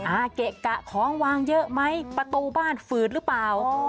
อาเกะกะของวางเยอะไหมประตูบ้านฝืดหรือเปล่า